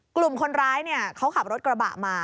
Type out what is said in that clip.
กลุ่มคนร้ายเขาขับรถกระบะมา